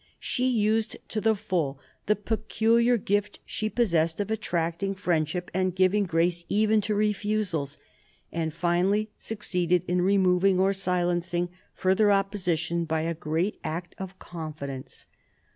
She used to the full the peculiar gift she possessed of attracting friendship and giving grace even to refusals, and finally succeeded in removing or silencing further opposition by a great act of confidence.